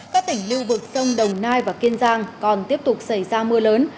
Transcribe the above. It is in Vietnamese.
các tỉnh lưu vực sông đồng nai và kiên giang còn tiếp tục xảy ra mưa lớn